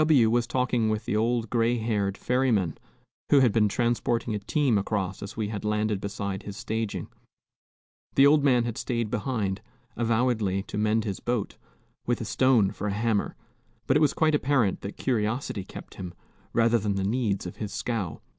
W was talking with the old gray haired ferryman, who had been transporting a team across as we had landed beside his staging. The old man had stayed behind, avowedly to mend his boat, with a stone for a hammer, but it was quite apparent that curiosity kept him, rather than the needs of his scow.